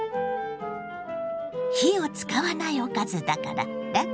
火を使わないおかずだからラクラクよ。